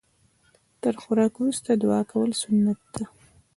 تر خوراک وروسته دعا کول سنت ده